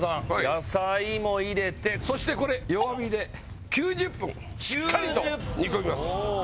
野菜も入れてそしてこれ弱火で９０分しっかりと煮込みます